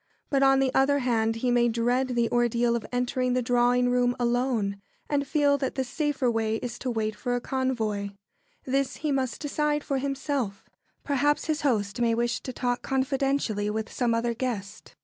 But on the other hand he may dread the ordeal of entering the drawing room alone, and feel that the safer way is to wait for a convoy. This he must decide for himself. [Sidenote: A hint from the host.] Perhaps his host may wish to talk confidentially with some other guest.